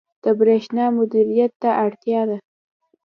• د برېښنا مدیریت ته اړتیا ده.